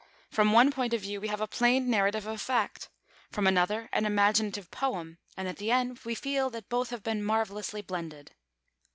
From one point of view we have a plain narrative of fact; from another an imaginative poem, and at the end we feel that both have been marvellously blended.